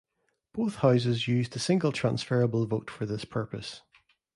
Both houses used the single transferable vote for this purpose.